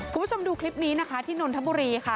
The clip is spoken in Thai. คุณผู้ชมดูคลิปนี้นะคะที่นนทบุรีค่ะ